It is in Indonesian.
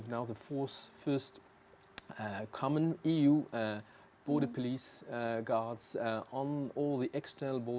dan pemerintah polisi di seluruh pangkalan eksternal eropa